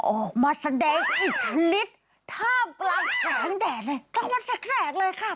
ออกมาแสดงอิทธิลิตทาปกำลังแสงแดงเข้ามาแสดงเลยข้า